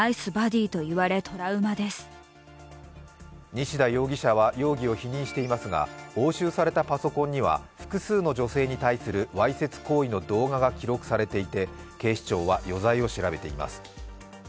西田容疑者は容疑を否認していますが押収されたパソコンには複数の女性に対するわいせつ行為の動画が記録されていて警視庁は余罪を調べています。